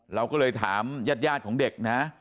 เราก็เลยถามญาติของเด็กนะ